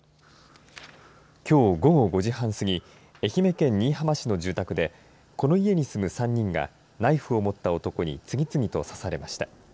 きょう午後５時半すぎ愛媛県新居浜市の住宅でこの家に住む３人がナイフを持った男に次々と刺されました。